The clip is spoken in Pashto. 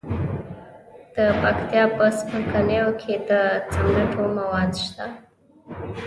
د پکتیا په څمکنیو کې د سمنټو مواد شته.